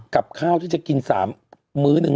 กับข้าวที่จะกิน๓มื้อหนึ่ง